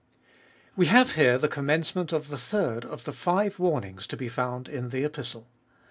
WE have here the commencement of the third of the five warnings to be found in the Epistle.